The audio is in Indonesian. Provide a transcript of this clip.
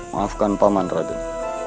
maafkan paman raden